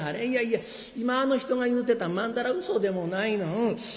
いやいや今あの人が言うてたんまんざらうそでもないの。